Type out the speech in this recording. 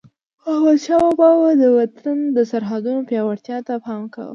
احمدشاه بابا به د وطن د سرحدونو پیاوړتیا ته پام کاوه.